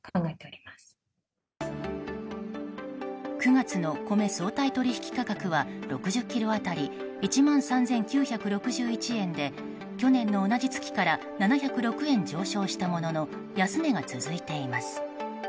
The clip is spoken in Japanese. ９月の米相対取引価格は６０ｋｇ当たり１万３９６１円で去年の同じ月から７０６円上昇したものの安値が続いています。